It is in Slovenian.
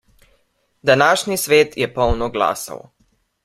Današnji svet je poln oglasov.